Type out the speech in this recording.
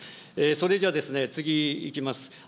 それじゃあ、次いきます。